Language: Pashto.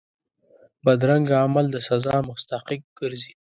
بدرنګه عمل د سزا مستحق ګرځي